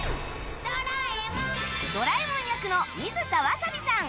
ドラえもん役の水田わさびさん